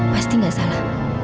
pasti enggak salah